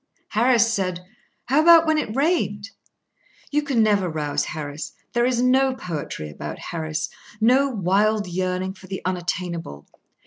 Harris said: "How about when it rained?" You can never rouse Harris. There is no poetry about Harris—no wild yearning for the unattainable.